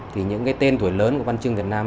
thì những cái tên tuổi lớn của văn chương việt nam